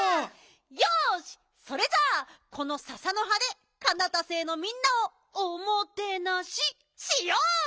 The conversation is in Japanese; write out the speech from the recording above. よしそれじゃあこのササのはでカナタ星のみんなをおもてなししよう！